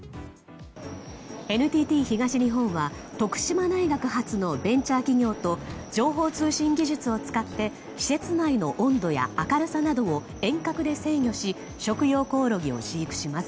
ＮＴＴ東日本は徳島大学発のベンチャー企業と情報通信技術を使って施設内の温度や明るさなどを遠隔で制御し食用コオロギを飼育します。